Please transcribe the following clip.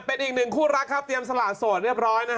เป็นอีกหนึ่งคู่รักครับเตรียมสละโสดเรียบร้อยนะฮะ